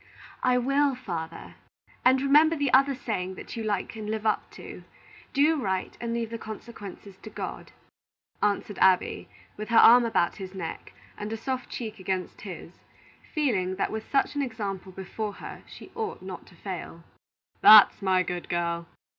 "I will, father, and remember the other saying that you like and live up to, 'Do right and leave the consequences to God,'" answered Abby, with her arm about his neck, and a soft cheek against his, feeling that with such an example before her she ought not to fail. "That's my good girl!